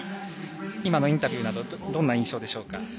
今のインタビューなどどんな印象でしょうか。